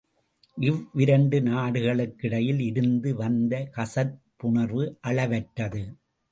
இவ்விரண்டு நாடுகளுக்கிடையில் இருந்து வந்த கசப்புணர்வு அளவற்றது.